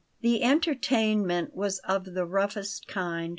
The entertainment was of the roughest kind.